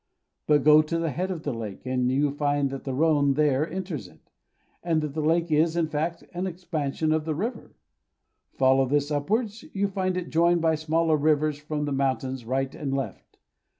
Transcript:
But go to the head of the lake, and you find that the Rhone there enters it; that the lake is, in fact, an expansion of the river. Follow this upwards; you find it joined by smaller rivers from the mountains right and left.